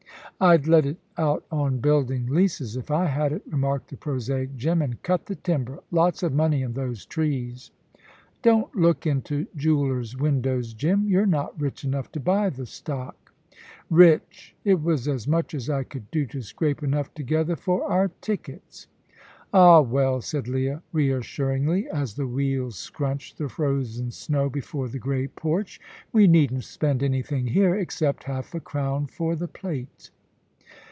"I'd let it out on buildin' leases, if I had it," remarked the prosaic Jim, "an' cut the timber. Lot of money in those trees." "Don't look into jewellers' windows, Jim. You're not rich enough to buy the stock." "Rich! It was as much as I could do to scrape enough together for our tickets." "Ah, well," said Leah, reassuringly, as the wheels scrunched the frozen snow before the great porch, "we needn't spend anything here, except half a crown for the plate."